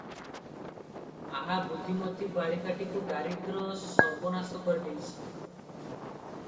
ଆହା ବୁଦ୍ଧିମତୀ ବାଳିକାଟିକୁ ଦାରିଦ୍ର୍ୟ ସର୍ବନାଶ କରି ଦେଇଚି-" ।